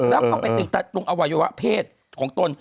แล้วก็ไปติดตรงอวัยวะเพศของตน